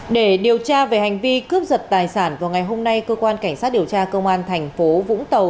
để điều tra về hành vi cướp giật tài sản vào ngày hôm nay cơ quan cảnh sát điều tra công an thành phố vũng tàu